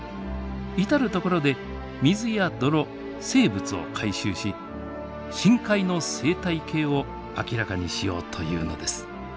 至る所で水や泥生物を回収し深海の生態系を明らかにしようというのです。